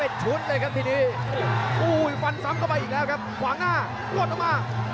ไปล่าสุดที่เสมอกับนักชกญี่ปุ่นอย่างโยเนดาเทศจินดาแต่ไปปลายแซงเกือบผ่านครับ